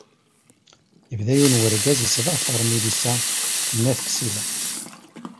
Yebda yiwen n urgaz yettḍafar Milisa n At Ksila.